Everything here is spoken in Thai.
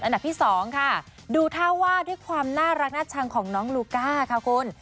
ส่วนอันดับที่๒ค่ะดูเท่าว่าด้วยความน่ารักน่าชังของน้องลูกก้าค่ะคุณ